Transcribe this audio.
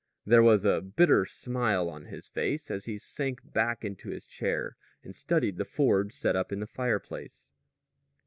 There was a bitter smile on his face as he sank back into his chair and studied the forge set up in the fireplace.